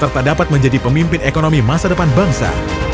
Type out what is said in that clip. serta dapat menjadi pemimpin ekonomi masa depan bangsa